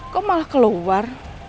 kok malah keluar